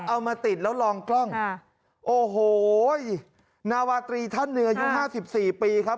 เอามาติดแล้วลองกล้องโอ้โหนาวาตรีท่านหนึ่งอายุห้าสิบสี่ปีครับ